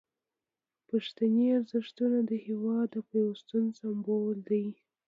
پښتني ارزښتونه د هیواد د پیوستون سمبول دي.